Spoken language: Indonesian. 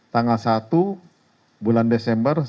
tanggal satu bulan desember